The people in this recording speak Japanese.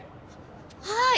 はい！